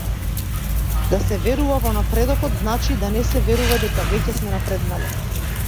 Да се верува во напредокот значи да не се верува дека веќе сме напреднале.